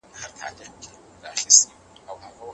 د رنجر موټر غږ د کوڅې ارامي ګډوډه کړه.